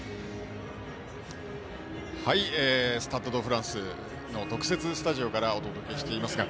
スタッド・ド・フランスの特設スタジオからお届けしています。